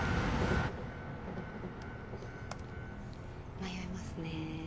迷いますね。